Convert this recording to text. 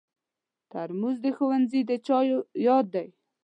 ترموز د ښوونځي د چایو یاد دی.